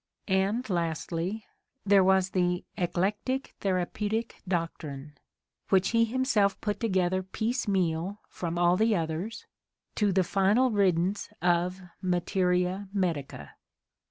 And lastly, there was the "eclectic therapeutic doctrine" which he himself put together piecemeal from all the others, to the final riddance of materia medica.